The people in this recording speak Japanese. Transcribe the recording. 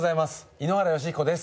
井ノ原快彦です。